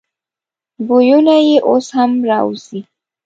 بویونه یې اوس هم راوزي.